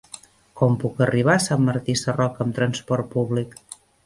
Com puc arribar a Sant Martí Sarroca amb trasport públic?